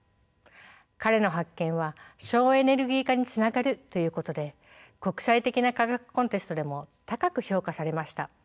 彼の発見は省エネルギー化につながるということで国際的な科学コンテストでも高く評価されました。